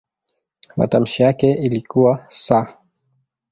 Matamshi yake ilikuwa "s".